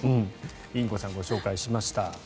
インコさんをご紹介しました。